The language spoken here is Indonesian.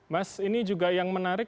mas ini juga yang menarik